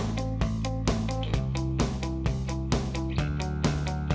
คุณไม่ได้อยู่ทางผู้งาน